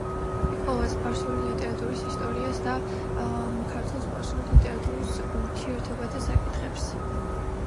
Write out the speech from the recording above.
იკვლევდა სპარსული ლიტერატურის ისტორიას და ქართულ–სპარსული ლიტერატურის ურთიერთობათა საკითხებს.